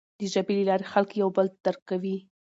د ژبې له لارې خلک یو بل درک کوي.